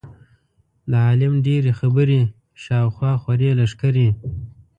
د عالم ډېرې خبرې شا او خوا خورې لښکرې.